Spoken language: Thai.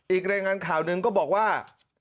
อีกรายงานข่าวหนึ่งก็บอกว่า